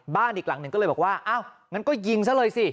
อีกหลังหนึ่งก็เลยบอกว่าอ้าวงั้นก็ยิงซะเลยสิ